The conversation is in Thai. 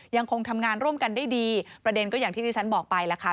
ยังคงทำงานร่วมกันได้ดีประเด็นก็อย่างที่ที่ฉันบอกไปแล้วค่ะ